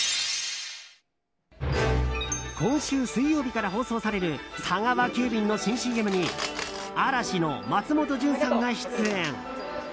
今週水曜日から放送される佐川急便の新ＣＭに嵐の松本潤さんが出演。